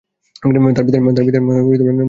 তার পিতার নাম মোহাম্মদ এয়ার খন্দকার।